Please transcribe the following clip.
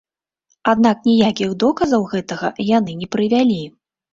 Аднак ніякіх доказаў гэтага яны не прывялі.